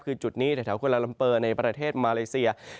คือจุดนี้แถวกุลาลัมเปอร์ในประเทศมาเลเซีย